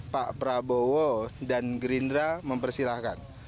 pak prabowo dan gerindra mempersilahkan